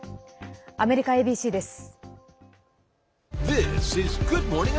アメリカＡＢＣです。